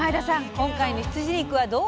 今回の羊肉はどう？